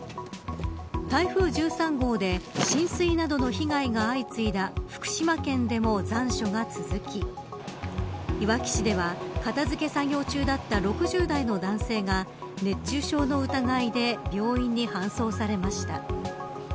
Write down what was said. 台風１３号で浸水などの被害が相次いだ福島県でも残暑が続きいわき市では片付け作業中だった６０代の男性が熱中症の疑いで病院に搬送されました。